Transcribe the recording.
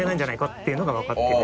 っていうのがわかってくる」